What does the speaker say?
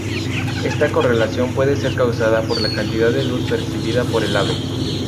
Esta correlación puede ser causada por la cantidad de luz percibida por el ave.